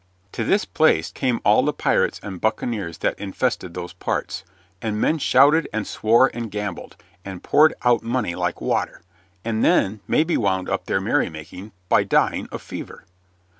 To this place came all the pirates and buccaneers that infested those parts, and men shouted and swore and gambled, and poured out money like water, and then maybe wound up their merrymaking by dying of fever.